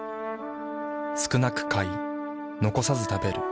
少なく買い残さず食べる。